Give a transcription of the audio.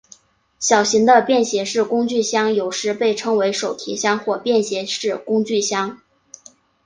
小型的便携式工具箱有时被称为手提箱或便携式工具箱。